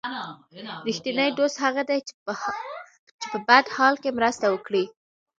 رښتینی دوست هغه دی چې په بد حال کې مرسته وکړي.